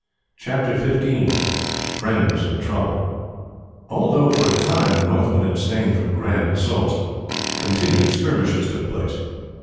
CHAPTER XV: FRIENDS IN TROUBLE Although for a time the Northmen abstained from grand assaults, continued skirmishes took place.